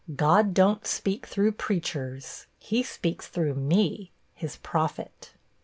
God don't speak through preachers; he speaks through me, his prophet.